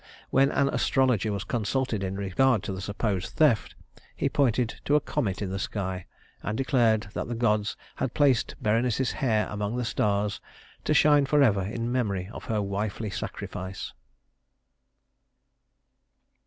When an astrologer was consulted in regard to the supposed theft, he pointed to a comet in the sky, and declared that the gods had placed Berenice's hair among the stars to shine forever in memory of her wifely sacrifice.